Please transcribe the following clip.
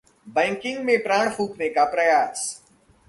banking में प्राण फूंकने का प्रयास